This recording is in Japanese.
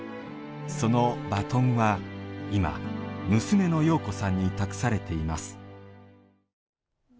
そのバトンは、今娘の庸子さんに託されています。